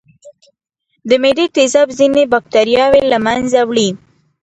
د معدې تیزاب ځینې بکتریاوې له منځه وړي.